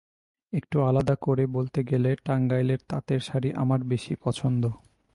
একটু আলাদা করে বলতে গেলে টাঙ্গাইলের তাঁতের শাড়ি আমার বেশি পছন্দ।